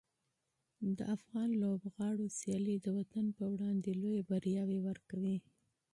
د افغان لوبغاړو سیالۍ د وطن پر وړاندې لویې بریاوې ورکوي.